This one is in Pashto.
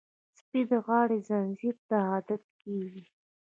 سپي د غاړې زنځیر ته عادت کېږي.